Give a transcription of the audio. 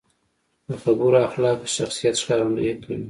د خبرو اخلاق د شخصیت ښکارندويي کوي.